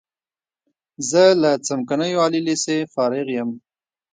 زه له څمکنیو عالی لیسې فارغ یم.